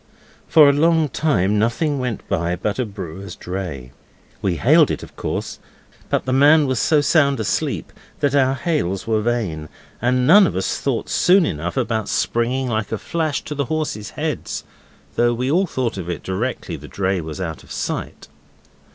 For a long time nothing went by but a brewer's dray. We hailed it, of course, but the man was so sound asleep that our hails were vain, and none of us thought soon enough about springing like a flash to the horses' heads, though we all thought of it directly the dray was out of sight.